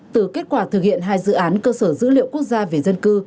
từ kết quả thực hiện hai dự án cơ sở dữ liệu quốc gia về dân cư